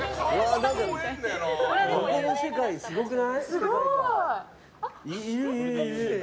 ここの世界、すごくない？